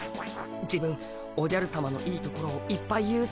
自分おじゃるさまのいいところをいっぱい言うっす。